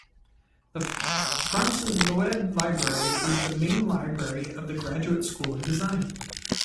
The Frances Loeb Library, is the main library of the Graduate School of Design.